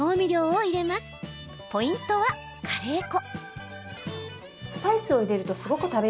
ポイントはカレー粉。